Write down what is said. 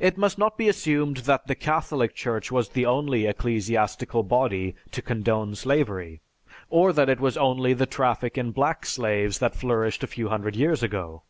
It must not be assumed that the Catholic Church was the only ecclesiastical body to condone slavery, or that it was only the traffic in black slaves that flourished a few hundred years ago.